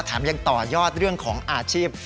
ยังต่อยอดเรื่องของอาชีพ